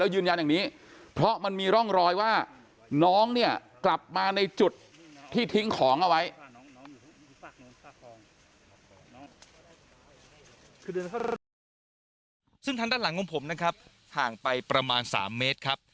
ซึ่งทางด้านหลังของผมนะครับห่างไปประมาณ๓เมตรครับ